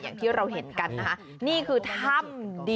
อย่างที่เราเห็นกันนะครับ